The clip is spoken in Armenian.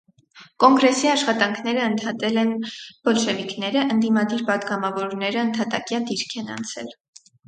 Կոնգրեսի աշխատանքները ընդհատել են բոլշևիկները, ընդդիմադիր պատգամավորները ընդհատակյա դիրք են անցել։